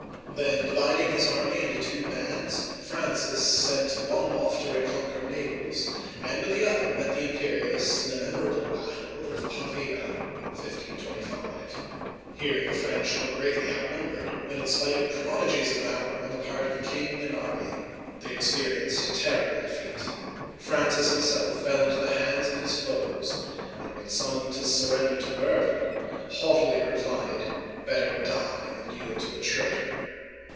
Then, dividing his army into two bands, Francis sent one ofiE to reconquer Naples, and with the other met the Imperialists in the memorable battle of Pavia (pa vee'a, 1525). Here the French were greatly outnumbered, and in spite of prodigies of valor on the part of king and army, they experienced a terrible defeat. Francis him self fell into the hands of his foes, and when summoned to surrender to Bourbon, haughtily replied, "Better die than yield to a traitor!